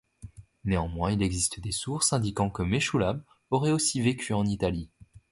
Néanmoins, il existe des sources indiquant que Meshoullam aurait aussi vécu en Italie.